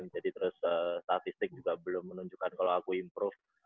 jadi terus statistik juga belum menunjukkan kalau aku improve